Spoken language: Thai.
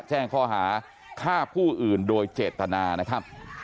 แจ้งข้อหาฆ่าผู้อื่นโดยเจตนานะครับ